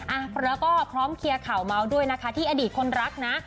อ่ะแล้วก็พร้อมเคลียร์ข่าวเมาส์ด้วยนะคะที่อดีตคนรักนะ